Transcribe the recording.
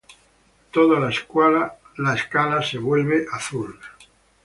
Toda la escala se vuelve blue"".